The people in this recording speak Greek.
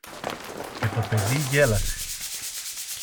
και το παιδί γέλασε.